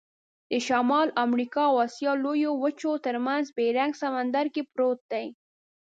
د شمال امریکا او آسیا لویو وچو ترمنځ بیرنګ سمندرګي پروت دی.